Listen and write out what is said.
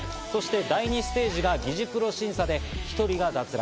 第２ステージが擬似プロ審査で１人が脱落。